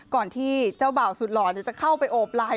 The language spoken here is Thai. ที่เจ้าบ่าวสุดหล่อจะเข้าไปโอบไลน์